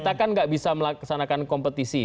katakan enggak bisa melaksanakan kompetisi